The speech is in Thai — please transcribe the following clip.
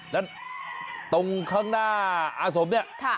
แล้วตรงข้างหน้าอาสมเนี่ย